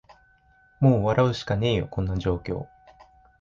もう笑うしかねーよ、こんな状況